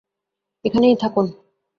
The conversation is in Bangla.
এখানেই থাকুন।